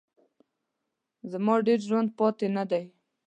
زما ډېر ژوند پاته نه دی.